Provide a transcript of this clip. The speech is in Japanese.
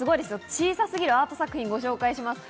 小さすぎるアート作品をご紹介します。